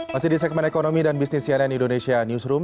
masih di segmen ekonomi dan bisnis cnn indonesia newsroom